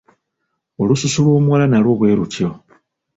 Olususu lw'omuwala nalwo bwe lutyo.